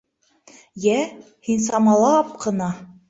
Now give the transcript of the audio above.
— Йә, һин самалап ҡына.